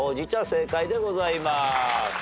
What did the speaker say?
正解でございます。